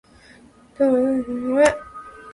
どこか遠くだ。確か、駅の向こう。駅の向こうに行こうとしたんだ。